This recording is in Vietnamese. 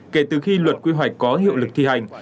kể từ khi luật quy hoạch có hiệu lực thi hành